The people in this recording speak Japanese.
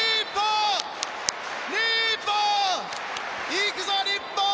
行くぞ、日本！